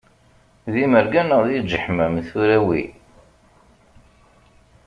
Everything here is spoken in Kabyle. D imerga neɣ d iǧeḥmam tura wi?